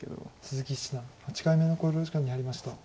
鈴木七段８回目の考慮時間に入りました。